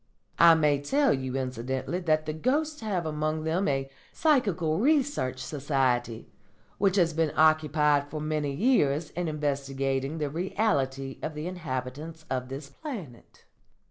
I may tell you incidentally that the ghosts have among them a Psychical Research Society which has been occupied for many years in investigating the reality of the inhabitants of this planet.